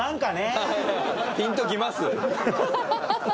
ピンと来ます？